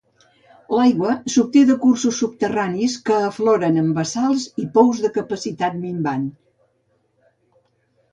L'aigua s'obté de cursos subterranis que afloren en bassals i pous de capacitat minvant.